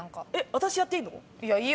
私やっていいの？